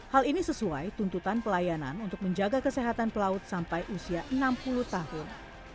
hal ini sesuai tuntutan pelayanan untuk menjaga kesehatan pelaut sampai usia enam puluh tahun